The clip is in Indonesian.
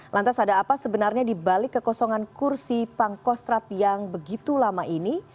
lantas ada apa sebenarnya dibalik kekosongan kursi pangkostrat yang begitu lama ini